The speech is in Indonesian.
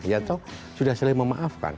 yaitu sudah saling memaafkan